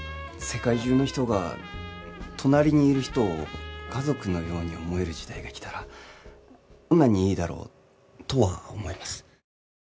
世界中の人が隣にいる人を家族のように思える時代が来たらどんなにいいだろうとは思います。